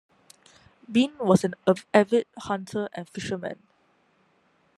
Bean was an avid hunter and fisherman.